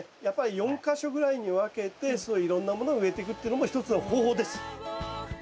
やっぱり４か所ぐらいに分けていろんなものを植えていくっていうのも一つの方法です。